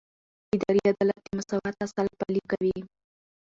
اداري عدالت د مساوات اصل پلي کوي.